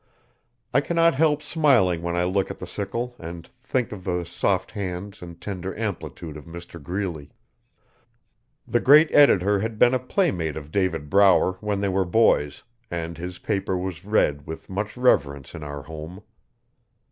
I cannot help smiling when I look at the sickle and thank of the soft hands and tender amplitude of Mr Greeley. The great editor had been a playmate of David Brower when they were boys, and his paper was read with much reverence in our home.